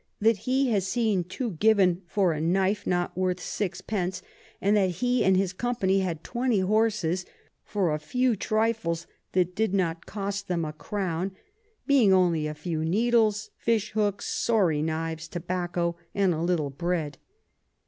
_ that he has seen two given for a Knife not worth 6 d. and that he and his Company had 20 Horses for a few Trifles that did not cost them a Crown; being only a few Needles, Fish Hooks, sorry Knives, Tobacco, and a little Bread.